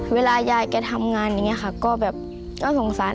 เวลายายแกทำงานอย่างนี้ค่ะก็แบบก็สงสาร